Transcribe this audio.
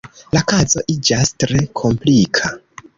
La kazo iĝas tre komplika.